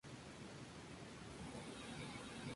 Muy raramente se observan cristales cúbicos.